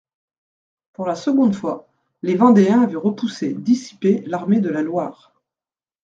Pour la seconde fois, les Vendéens avaient repoussé, dissipé l'armée de la Loire.